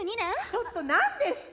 ちょっとなんですか？